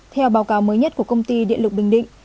theo báo cáo mới nhất của công ty điện lực bình định